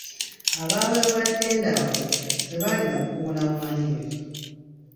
Abaaweebwa ttenda abo tebaalina bukugu na bumanyirivu.